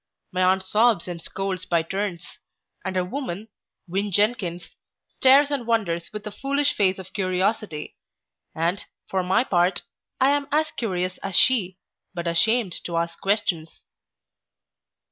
My aunt sobs and scolds by turns; and her woman, Win. Jenkins, stares and wonders with a foolish face of curiosity; and, for my part, I am as curious as she, but ashamed to ask questions.